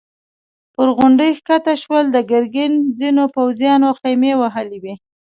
پر غونډۍ کښته شول، د ګرګين ځينو پوځيانو خيمې وهلې.